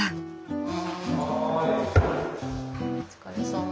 お疲れさま。